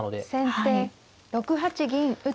先手６八銀打。